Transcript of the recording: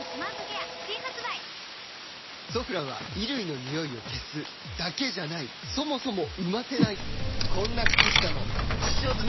「ソフラン」は衣類のニオイを消すだけじゃないそもそも生ませないこんな靴下も実証済！